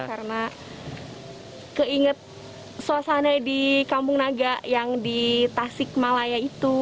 karena keinget suasana di kampung naga yang di tasikmalaya itu